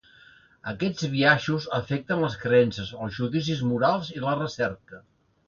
Aquests biaixos afecten les creences, els judicis morals i la recerca.